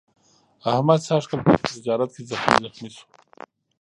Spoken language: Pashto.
احمد سږ کال په تجارت کې زخمي زخمي شو.